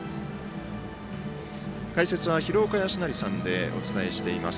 解説は廣岡資生さんでお伝えしています。